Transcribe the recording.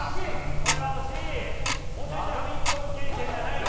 これは惜しい。